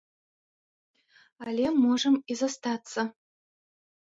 Але можам і застацца.